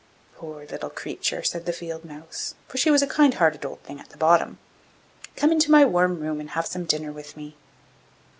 'Poor little creature!' said the field mouse, for she was a kind hearted old thing at the bottom. 'Come into my warm room and have some dinner with me.